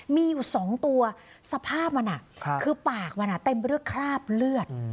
มีอยู่สองตัวสภาพมันอ่ะคือปากมันอ่ะเต็มไปเรื่องคราบเลือด